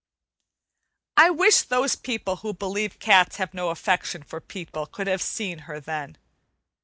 I wish those people who believe cats have no affection for people could have seen her then.